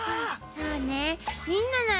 そうね。